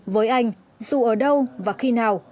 với anh dù ở đâu và khi nào